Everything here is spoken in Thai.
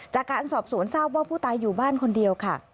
จากการสอบสวนทราบว่าผู้ตายอยู่บ้านคนเดียวค่ะ